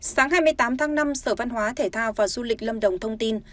sáng hai mươi tám tháng năm sở văn hóa thể thao và du lịch lâm đồng thông tin